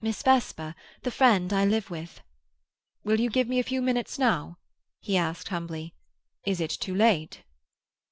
"Miss Vesper, the friend I live with." "Will you give me a few minutes now?" he asked humbly. "Is it too late?"